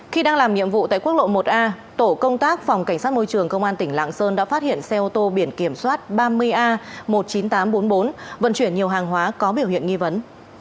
khi đang làm nhiệm vụ tại quốc lộ một a tổ công tác phòng cảnh sát môi trường công an tỉnh lạng sơn đã phát hiện xe ô tô biển kiểm soát ba mươi a một mươi chín nghìn tám trăm bốn mươi bốn vận chuyển nhiều hàng hóa có biểu hiện nghi vấn